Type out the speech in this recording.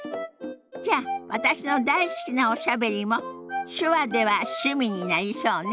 じゃあ私の大好きな「おしゃべり」も手話では趣味になりそうね。